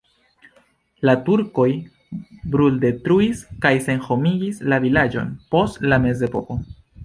La turkoj bruldetruis kaj senhomigis la vilaĝon post la mezepoko.